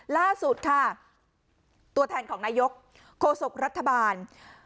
ล่าสุดค่ะตัวแทนของนายกโฆษกรัฐบาล